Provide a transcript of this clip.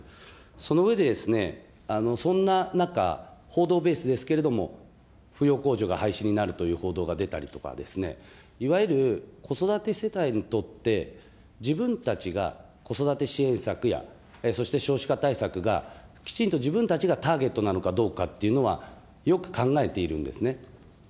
その上で、そんな中、報道ベースですけれども、扶養控除が廃止になるという報道が出たりとかですね、いわゆる子育て世帯にとって自分たちが子育て支援策や、そして少子化対策がきちんと自分たちがターゲットなのかどうかっていうのは、よく考えているんですね。